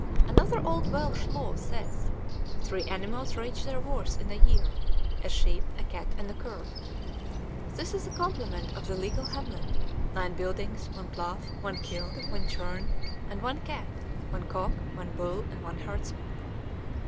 Another old Welsh law says: "Three animals reach their worth in a year: a sheep, a cat, and a cur. This is a complement of the legal hamlet; nine buildings, one plough, one kiln, one churn, and one cat, one cock, one bull, and one herdsman."